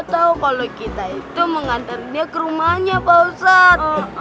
atau kalau kita itu mengantar dia ke rumahnya pak ustadz